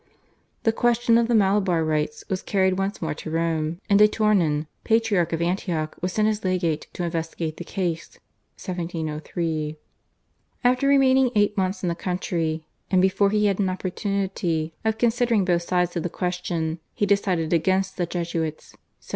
The question of the Malabar Rites was carried once more to Rome, and de Tournon, Patriarch of Antioch, was sent as legate to investigate the case (1703). After remaining eight months in the country, and before he had an opportunity of considering both sides of the question, he decided against the Jesuits (1704).